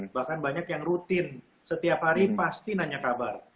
bahkan banyak yang rutin setiap hari pasti nanya kabar